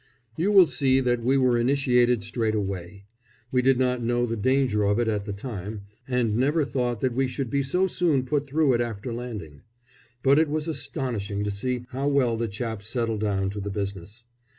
You will see that we were initiated straight away. We did not know the danger of it at the time, and never thought that we should be so soon put through it after landing. But it was astonishing to see how well the chaps settled down to the business.